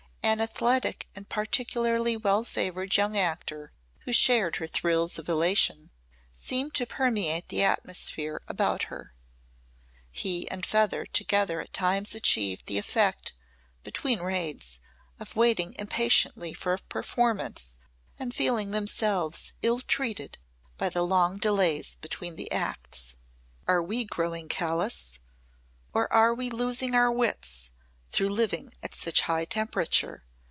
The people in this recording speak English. An athletic and particularly well favoured young actor who shared her thrills of elation seemed to permeate the atmosphere about her. He and Feather together at times achieved the effect, between raids, of waiting impatiently for a performance and feeling themselves ill treated by the long delays between the acts. "Are we growing callous, or are we losing our wits through living at such high temperature?"